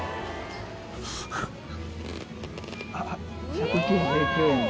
１９９円。